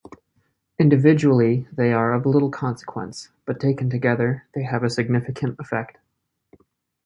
Individually, they are of little consequence, but taken together they have a significant effect.